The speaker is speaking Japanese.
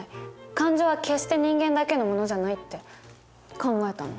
感情は決して人間だけのものじゃない」って考えたの。